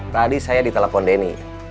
tadi saya ditelepon denny